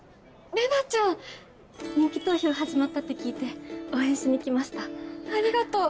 人気投票始まったって聞いて応援しに来ましたありがとう！